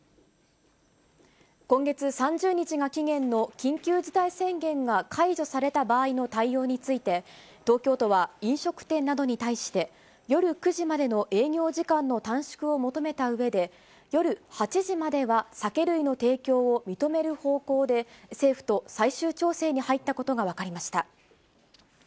今月３０日が期限の緊急事態宣言が解除された場合の対応について、東京都は飲食店などに対して、夜９時までの営業時間の短縮を求めたうえで、夜８時までは酒類の提供を認める方向で、政府と最終調整に入ったことが分かりました。